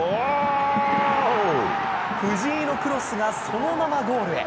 ふじいのクロスが、そのままゴールへ。